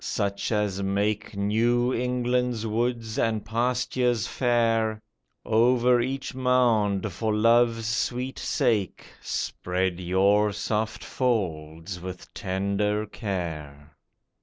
such as make New England's woods and pastures fair, Over each mound, for Love's sweet sake, Spread your soft folds with tender care.